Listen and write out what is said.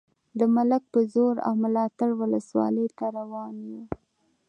د ملک په زور او ملاتړ ولسوالۍ ته روان یو.